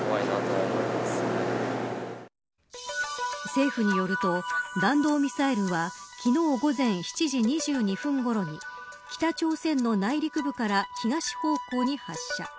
政府によると弾道ミサイルは昨日午前７時２２分ごろに北朝鮮の内陸部から東方向に発射